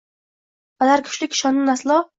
Padarkushlik shonin aslo